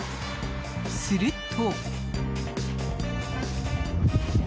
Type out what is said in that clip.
すると。